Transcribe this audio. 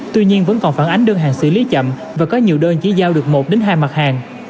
tuy nhiên vẫn còn phản ánh đơn hàng xử lý chậm và có nhiều đơn chỉ giao được một hai mặt hàng